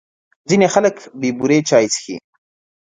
ځینې خلک بې بوري چای څښي.